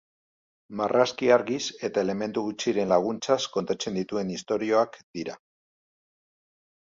Marrazki argiz, eta elementu gutxiren laguntzaz kontatzen dituen istorioak dira.